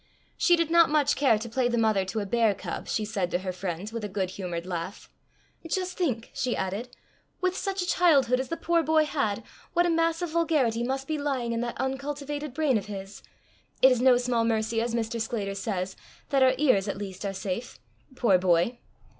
She did not much care to play the mother to a bear cub, she said to her friends, with a good humoured laugh. "Just think," she added, "with such a childhood as the poor boy had, what a mass of vulgarity must be lying in that uncultivated brain of his! It is no small mercy, as Mr. Sclater says, that our ears at least are safe. Poor boy!"